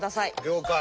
了解。